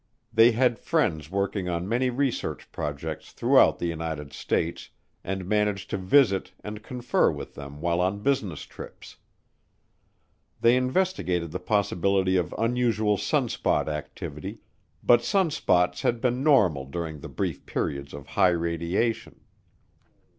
They had friends working on many research projects throughout the United States and managed to visit and confer with them while on business trips. They investigated the possibility of unusual sunspot activity, but sunspots had been normal during the brief periods of high radiation.